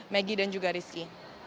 megi dan juga rizky